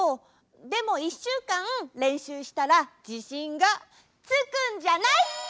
でもいっしゅうかんれんしゅうしたらじしんがつくんじゃない？